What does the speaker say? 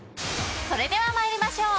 ［それでは参りましょう。